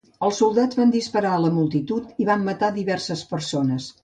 Els soldats van disparar a la multitud i van matar diverses persones.